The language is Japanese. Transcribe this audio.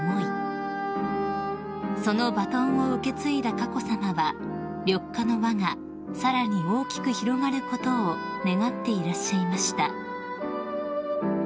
［そのバトンを受け継いだ佳子さまは緑化の輪がさらに大きく広がることを願っていらっしゃいました］